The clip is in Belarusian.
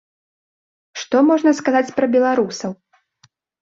Што можна сказаць пра беларусаў?